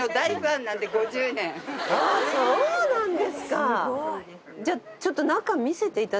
あそうなんですか！